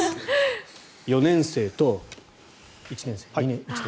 ４年生と１年生。